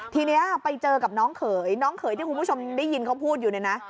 ทีนี้ไปเจอกับน้องเขยน้องเขยที่คุณผู้ชมได้ยินเขาพูดอยู่เนี่ยนะ